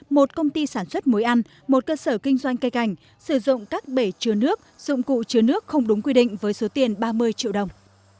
một công ty sản xuất muối ăn một cơ sở kinh doanh cây cảnh sử dụng các bể chứa nước dụng cụ chứa nước không đúng quy định với số tiền ba mươi triệu đồng